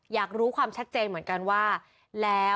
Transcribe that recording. อยากรู้ความชัดเจนเหมือนกันว่าแล้ว